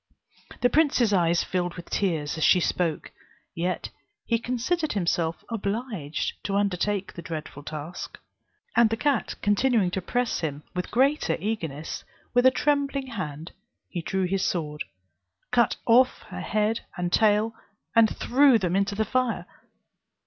The prince's eyes filled with tears as she spoke, yet he considered himself obliged to undertake the dreadful task, and the cat continuing to press him with greater eagerness, with a trembling hand he drew his sword, cut off her head and tail, and threw them into the fire.